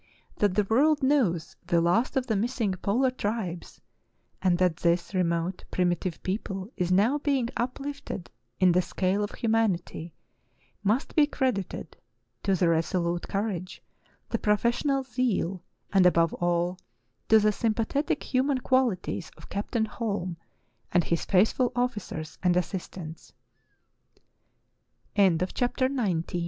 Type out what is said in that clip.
That the world knows the last of the missing polar tribes, and that this remote, primitive people is now being uplifted in the scale of humanity, must be cred ited to the resolute courage, the professional zeal, and, above all, to the sympathetic human qualities of Cap tain Holm and his faithfu